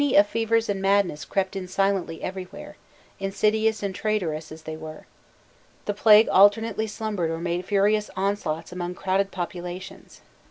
The genii of fevers and madness crept in silently everywhere, insidious and traitorous as they were. The plague alternately slumbered or made furious onslaughts among crowded populations.